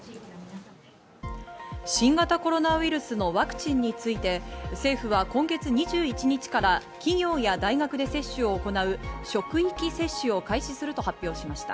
新型コロナウイルスのワクチンについて政府は今月２１日から企業や大学で接種を行う職域接種を開始すると発表しました。